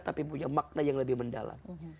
tapi punya makna yang lebih mendalam